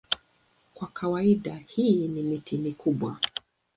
Kwa kawaida hii ni miti mikubwa.